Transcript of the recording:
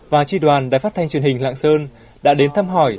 và tri đoàn đài phát thanh truyền hình lạng sơn đã đến thăm hỏi